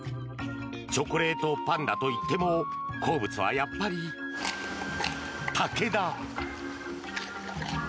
チョコレートパンダといっても好物はやっぱり竹だ。